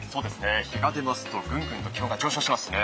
日が出ますとぐんぐんと気温が上昇しますね。